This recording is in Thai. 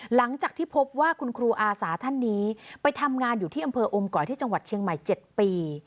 หลังจากที่พบว่าคุณครูอาสาท่านนี้ไปทำงานอยู่ที่อำเภออมก่อยที่จังหวัดเชียงใหม่๗ปี